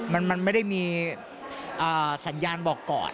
มันไม่ได้มีสัญญาณบอกก่อน